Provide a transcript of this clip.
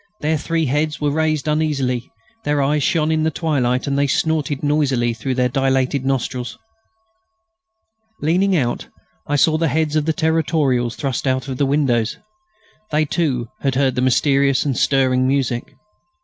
Their three heads were raised uneasily, their eyes shone in the twilight, and they snorted noisily through their dilated nostrils. Leaning out, I saw the heads of the Territorials thrust out of the windows. They, too, had heard the mysterious and stirring music.